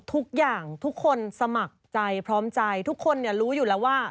ทุกคนสมัครใจพร้อมใจทุกคนเนี่ยรู้อยู่แล้วว่า